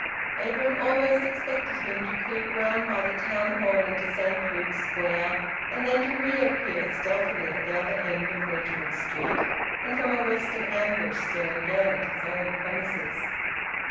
Edwin almost expected him to creep round by the Town Hall into Saint Luke's Square, and then to reappear stealthily at the other end of Wedgwood Street, and from a western ambush stare again at his own premises.